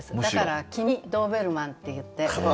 だから「君ドーベルマン」っていって。